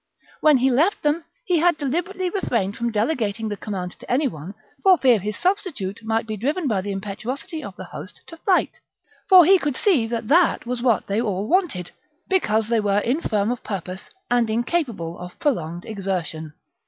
When he left them he had deliberately refrained from delegating the command to any one, for fear his substitute might be driven by the impetuosity of the host to fight ; for he could see that that was what they all wanted, because they were infirm of purpose and incapable of prolonged exertion.